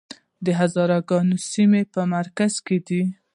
د هزاره ګانو سیمې په مرکز کې دي